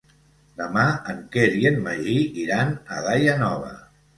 Demà en Quer i en Magí iran a Daia Nova.